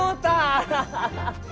アハハハ！